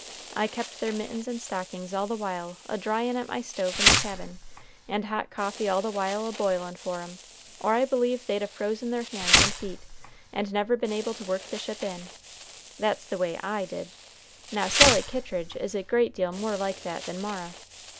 I kept their mittens and stockings all the while a dryin' at my stove in the cabin, and hot coffee all the while a boilin' for 'em, or I believe they'd a frozen their hands and feet, and never been able to work the ship in. That's the way I did. Now Sally Kittridge is a great deal more like that than Mara."